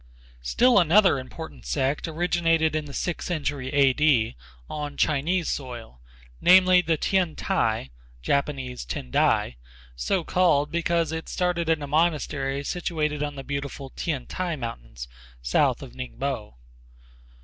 Still another important sect originated in the sixth century A. D. on Chinese soil, namely, the T'ien T'ai (Japanese Tendai), so called because it started in a monastery situated on the beautiful T'ien T'ai mountains south of Ningpo.